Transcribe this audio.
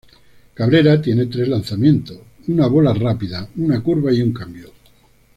Cabrera tiene tres lanzamientos: una bola rápida, una curva, y un cambio.